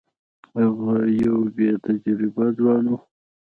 هغه یو بې تجربې ځوان وو.